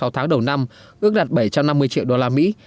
sáu tháng đầu năm ước đạt bảy trăm năm mươi triệu đô la mỹ